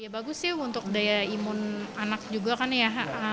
bagus sih untuk daya imun anak juga kan ya